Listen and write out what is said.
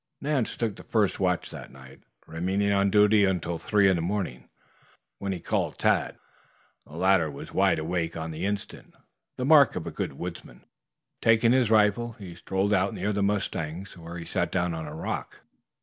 Nance took the first watch that night, remaining on duty until three in the morning, when he called Tad. The latter was wide awake on the instant, the mark of a good woodsman. Taking his rifle, he strolled out near the mustangs, where he sat down on a rock.